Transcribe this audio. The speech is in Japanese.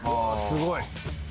すごい！